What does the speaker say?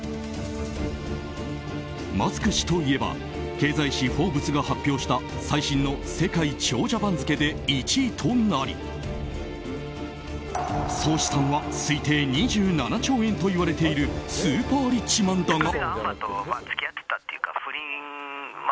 マスク氏といえば経済誌「フォーブス」が発表した最新の世界長者番付で１位となり総資産は推定２７兆円といわれているスーパーリッチマンだが。